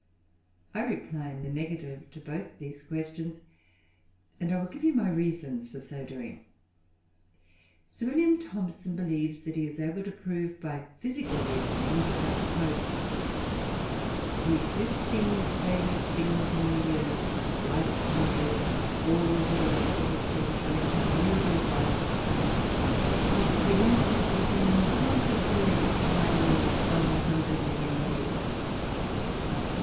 I reply in the negative to both these questions, and I will give you my reasons for so doing. Sir William Thomson believes that he is able to prove, by physical reasonings, "that the existing state of things on the earth, life on the earth all geological history showing continuity of life must be limited within some such period of time as one hundred million years" (_loc.